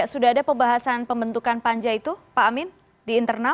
sudah ada pembahasan pembentukan panja itu pak amin di internal